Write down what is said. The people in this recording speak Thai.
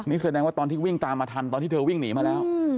นี่แสดงว่าตอนที่วิ่งตามมาทันตอนที่เธอวิ่งหนีมาแล้ว